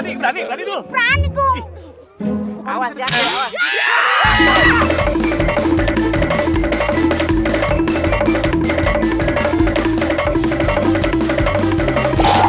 berani berani berani dulu